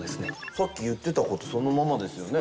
さっき言ってたことそのままですよね。